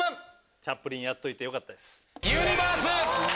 『チャップリン』やっといてよかったです。